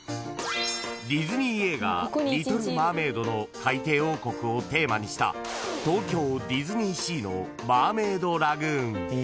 ［ディズニー映画『リトル・マーメイド』の海底王国をテーマにした東京ディズニーシーの］